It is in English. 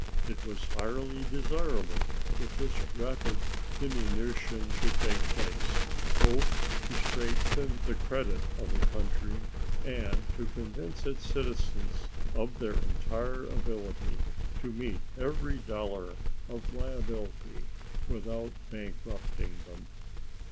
It was highly desirable that this rapid diminution should take place, both to strengthen the credit of the country and to convince its citizens of their entire ability to meet every dollar of liability without bankrupting them.